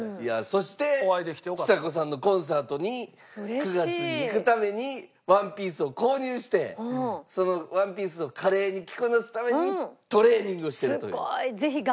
そしてちさ子さんのコンサートに９月に行くためにワンピースを購入してそのワンピースを華麗に着こなすためにトレーニングをしてるという。